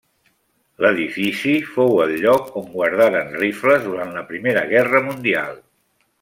L'edifici fou el lloc on guardaren rifles durant la Primera Guerra Mundial.